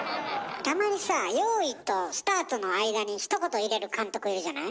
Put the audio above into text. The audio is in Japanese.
たまにさ「用意」と「スタート」の間にひと言入れる監督いるじゃない？